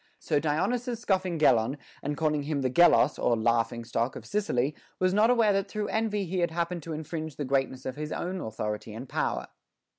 So Dionysius scoffing Gelon, and calling him the Gelos (or laughing stock) of Sicily, was not aware that through envy he had happened to infringe the greatness of his own authority and power.